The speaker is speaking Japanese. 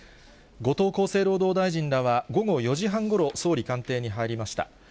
後藤厚生労働大臣らは午後４時半ごろ総理官邸に入りました。